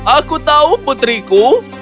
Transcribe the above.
aku tahu putriku